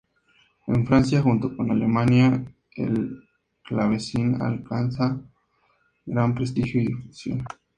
En Francia, junto con Alemania, el clavecín alcanza gran prestigio y difusión.